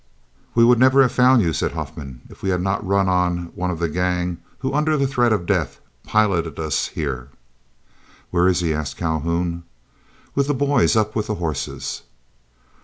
"We would never have found you," said Huffman, "if we had not run on one of the gang who under the threat of death piloted us here." "Where is he?" asked Calhoun. "With the boys up with the horses."